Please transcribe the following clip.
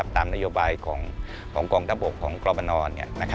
ตามนโยบายของกองทัพบกของกรมน